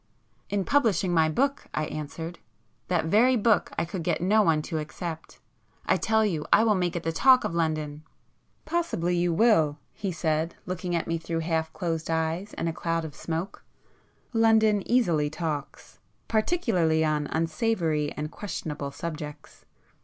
"In publishing my book," I answered. "That very book I could get no one to accept,—I tell you, I will make it the talk of London!" "Possibly you will"—he said, looking at me through half closed eyes and a cloud of smoke,—"London easily talks. Particularly on unsavoury and questionable subjects.